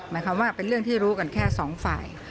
หมายความว่าเป็นเรื่องที่รู้กันแค่สองฝ่าย